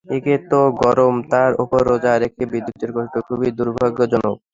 একে তো গরম, তার ওপর রোজা রেখে বিদ্যুতের কষ্ট খুবই দুর্ভাগ্যজনক।